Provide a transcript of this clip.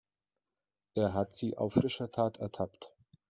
Er hat sie auf frischer Tat ertappt.